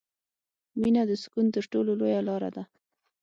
• مینه د سکون تر ټولو لویه لاره ده.